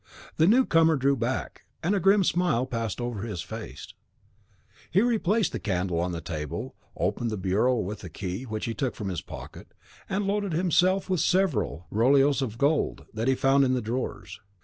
The new comer drew back, and a grim smile passed over his face: he replaced the candle on the table, opened the bureau with a key which he took from his pocket, and loaded himself with several rouleaus of gold that he found in the drawers.